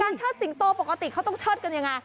เชิดสิงโตปกติเขาต้องเชิดกันยังไง